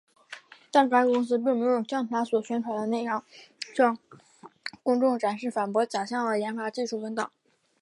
但该公司并没有像它所宣称的那样向公众展示反驳造假的研发技术文档。